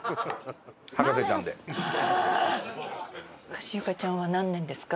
かしゆかちゃんは何年ですか？